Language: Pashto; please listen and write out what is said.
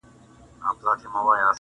د سکندر او رکسانې یې سره څه,